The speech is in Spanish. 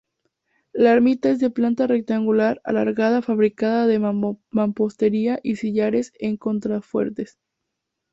La ermita es de planta rectangular alargada fabricada de mampostería y sillares en contrafuertes.